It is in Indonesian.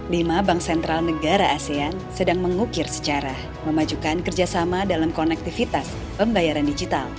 lima bank sentral negara asean sedang mengukir sejarah memajukan kerjasama dalam konektivitas pembayaran digital